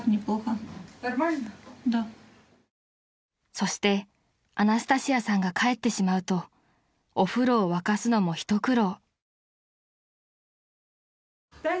［そしてアナスタシアさんが帰ってしまうとお風呂を沸かすのも一苦労］